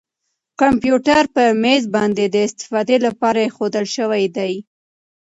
کمپیوټر په مېز باندې د استفادې لپاره اېښودل شوی دی.